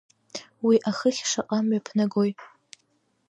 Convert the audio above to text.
Уи ахыхь шаҟа мҩаԥнагои?